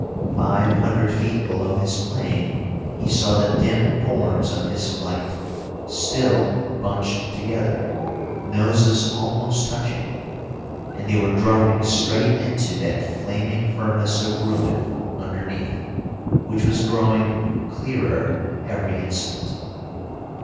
Five hundred feet below his plane he saw the dim forms of his flight, still bunched together, noses almost touching. And they were dropping straight into that flaming furnace of ruin underneath, which was growing clearer every instant.